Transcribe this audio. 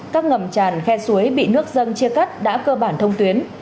các ngầm tràn khe suối bị nước dân chia cắt đã cơ bản thông tuyến